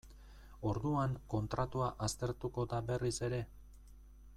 Orduan kontratua aztertuko da berriz ere?